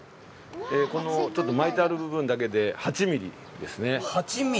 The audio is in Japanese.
このちょっと巻いてある部分だけで８ミリですね。